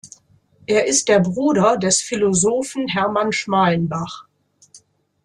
Er ist der Bruder des Philosophen Herman Schmalenbach.